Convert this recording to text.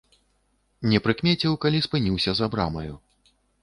Не прыкмеціў, калі спыніўся за брамаю.